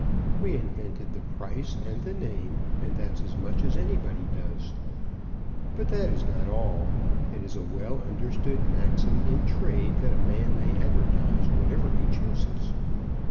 "We invented the price and the name, and that's as much as anybody does. But that is not all. It's a well understood maxim in trade, that a man may advertise whatever he chooses.